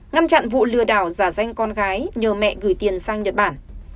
ngăn chặn vụ lừa đảo giả danh con gái nhờ mẹ gửi tiền sang nhật bản